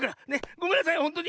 ごめんなさいほんとに。